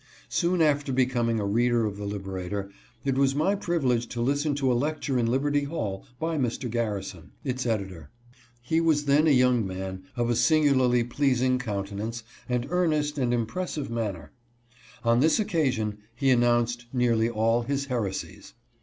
Soon after becoming a reader of the Liberator, it was my. privilege to listen to a lecture in Liberty Hall by Mr. Garrison, its editor. He was then a young man, of a singularly pleasing countenance, and earnest and impressive manner. On this occasion he announced nearly all his heresies.